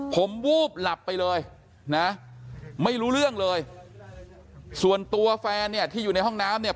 ผมวูบหลับไปเลยนะไม่รู้เรื่องเลยส่วนตัวแฟนเนี่ยที่อยู่ในห้องน้ำเนี่ย